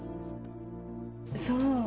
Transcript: そう。